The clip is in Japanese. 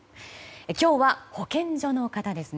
今日は保健所の方です。